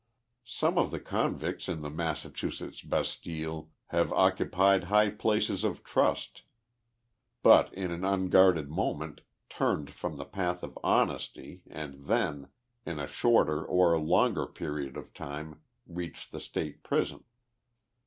Some of the convicts in the Massachusetts bastile have occu pied high places of trust, but in an unguarded moment turned from the path of honesty and then, in a shorter or longer period of time, reached the state prison.